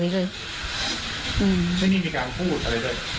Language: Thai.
ที่นี่มีการพูดอะไรเลย